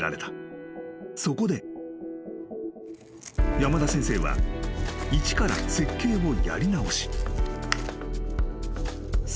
［山田先生は一から設計をやり直し３週間後］